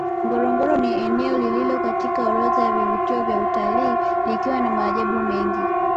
Ngorongoro ni eneo lililo katika orodha ya vivutio vya utalii likiwa na maajabu mengi